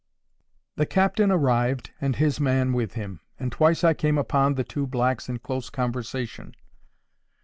The captain arrived, and his man with him. And twice I came upon the two blacks in close conversation.